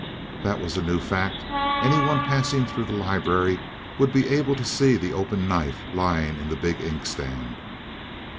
That was a new fact. Any one passing through the library would be able to see the open knife lying in the big inkstand.